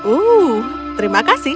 uh terima kasih